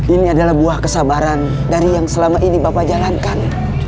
ini adalah buah kesabaran dari yang selama ini bapak jalankan